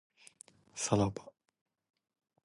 さらば